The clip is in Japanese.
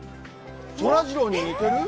そらジローに似てる？